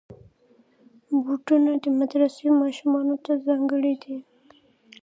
بوټونه د مدرسې ماشومانو ته ځانګړي دي.